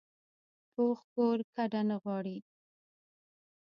پوخ کور کډه نه غواړي